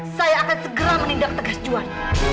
saya akan segera menindak tegas juan